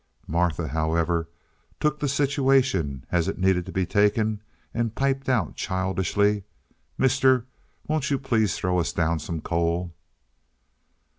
Martha, however, took the situation as it needed to be taken, and piped out childishly, "Mister, won't you please throw us down some coal?"